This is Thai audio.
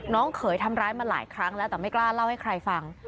เขยทำร้ายมาหลายครั้งแล้วแต่ไม่กล้าเล่าให้ใครฟัง